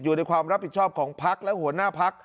อยู่ในความรับผิดชอบของพักและหัวหน้าพัก